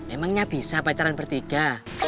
emangnya bisa pacaran bertiga